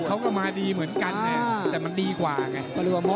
เขาก็มาดีเหมือนกันไงแต่มันดีกว่าไง